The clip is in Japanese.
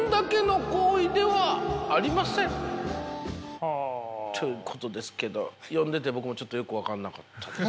ちょっということですけど読んでて僕もちょっとよく分かんなかったです。